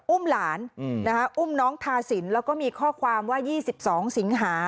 อุ้มหลานอุ้มน้องทาสินแล้วก็มีข้อความว่า๒๒สิงหา